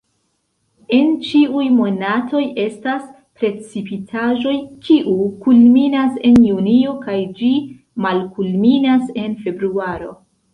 En ĉiuj monatoj estas precipitaĵoj, kiu kulminas en junio kaj ĝi malkulminas en februaro.